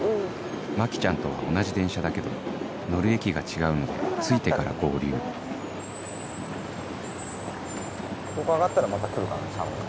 マキちゃんとは同じ電車だけど乗る駅が違うので着いてから合流ここ上がったらまた来るからね寒いの。